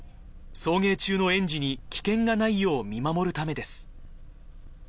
送迎中の園児に危険がないよう見守るためです。